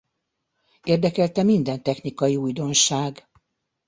Érdekelte minden technikai újdonság.